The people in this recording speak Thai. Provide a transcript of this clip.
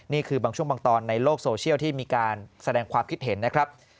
นี่คือบางช่วงบางตอนในโลกโซเชียลที่มีการแสดงความคิดเห็นนะครับ